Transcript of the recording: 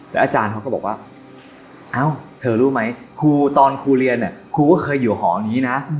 อาจารย์เขาก็บอกว่าเอ้าเธอรู้ไหมครูตอนครูเรียนครูก็เคยอยู่หอนี้นะ